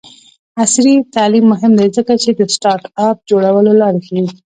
عصري تعلیم مهم دی ځکه چې د سټارټ اپ جوړولو لارې ښيي.